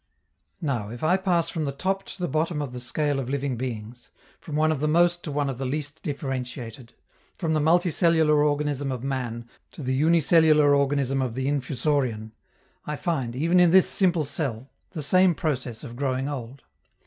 Now, if I pass from the top to the bottom of the scale of living beings, from one of the most to one of the least differentiated, from the multicellular organism of man to the unicellular organism of the Infusorian, I find, even in this simple cell, the same process of growing old.